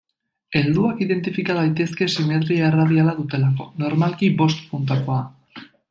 Helduak identifika daitezke simetria erradiala dutelako, normalki bost puntakoa.